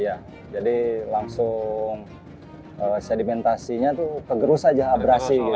iya jadi langsung sedimentasinya tuh kegerus aja abrasi gitu